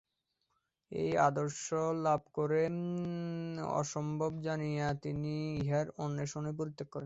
এই আদর্শ লাভ করা অসম্ভব জানিয়া তিনি ইহার অন্বেষণই পরিত্যাগ করেন।